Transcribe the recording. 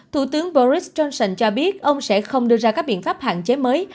thủ tướng boris johnson cho biết ông sẽ không đưa ra các biện pháp hạn chế mới